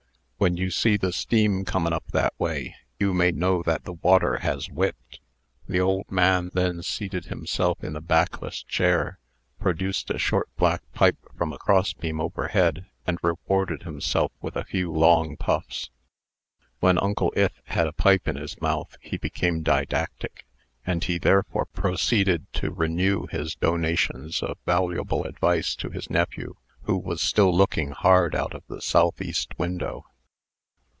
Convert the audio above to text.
"When you see the steam comin' up that way, you may know that the water has whipped." The old man then seated himself in the backless chair, produced a short black pipe from a crossbeam overhead, and rewarded himself with a few long puffs. When Uncle Ith had a pipe in his mouth, he became didactic, and he therefore proceeded to renew his donations of valuable advice to his nephew, who was still looking hard out of the southeast window.